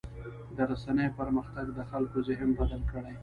د رسنیو پرمختګ د خلکو ذهن بدل کړی.